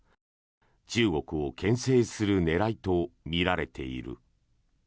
中国をけん制する狙いとみられている。